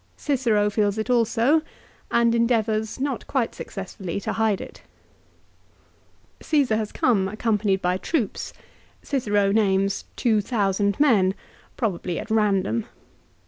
Cicero feels it also, and endeavours not quite successfully to hide it. 202 LIFE OF CICERO. Caesar has come accompanied by troops. Cicero names 2,000 men, probably at random.